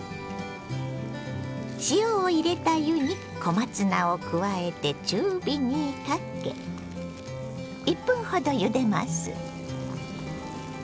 塩を入れた湯に小松菜を加えて中火にかけ１分ほどゆでます。